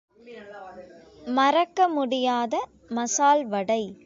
மறக்கமுடியாத மசால் வடை.